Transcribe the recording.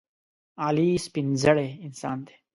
علي سپینزړی انسان دی.